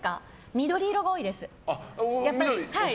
緑色が多いです。